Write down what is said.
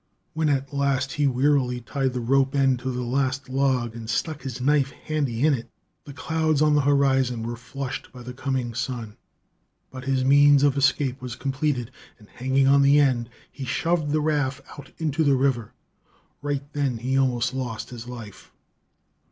When at last he wearily tied the rope end to the last log, and stuck his knife handy in it, the clouds on the horizon were flushed by the coming sun. But his means of escape was completed; and hanging on the end, he shoved the raft out into the river. Right then he almost lost his life.